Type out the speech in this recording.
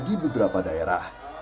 di beberapa daerah